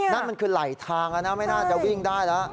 นั่นมันคือไหลทางแล้วนะไม่น่าจะวิ่งได้แล้ว